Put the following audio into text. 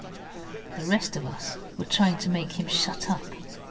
The rest of us were trying to make him shut up.